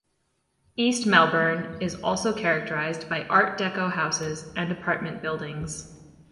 East Melbourne is also characterised by Art Deco houses and apartment buildings.